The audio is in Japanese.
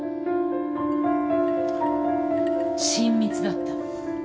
親密だった。